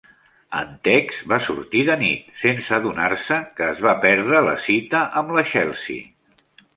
En Tex va sortir de nit, sense adonar-se que es va perdre la cita amb la Chelsee.